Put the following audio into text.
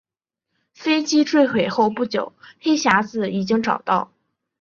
飞机坠毁后不久黑匣子已经找到。